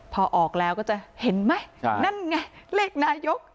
พอออกแล้วก็จะเห็นไหมนั่นไงเลขนายก